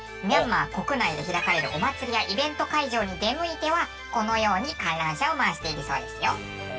ミャンマー国内で開かれるお祭りやイベント会場に出向いてはこのように観覧車を回しているそうですよ。